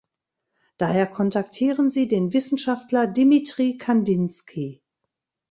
Daher kontaktieren sie den Wissenschaftler Dimitri Kandinsky.